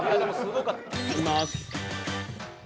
いきまーす。